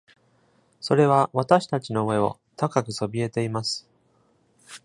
それは私たちの上を高くそびえています